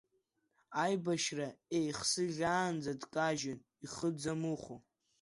Аибашьра еихсыӷьаанӡа дкажьын ихы дзамыхәо.